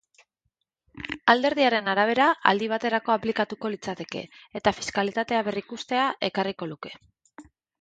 Alderdiaren arabera, aldi baterako aplikatuko litzateke, eta fiskalitatea berrikustea ekarriko luke.